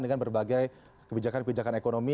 dengan berbagai kebijakan kebijakan ekonomi